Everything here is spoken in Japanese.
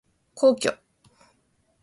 皇居